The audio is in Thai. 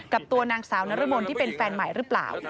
กับตัวนางสาวนรมนที่เป็นแฟนใหม่หรือเปล่า